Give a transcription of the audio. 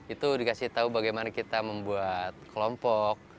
itu dikasih tahu bagaimana kita membuat kelompok